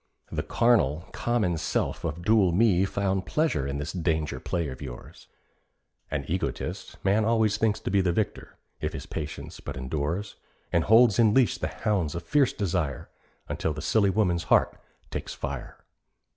The carnal, common self of dual me Found pleasure in this danger play of yours. (An egotist, man always thinks to be The victor, if his patience but endures, And holds in leash the hounds of fierce desire, Until the silly woman's heart takes fire.)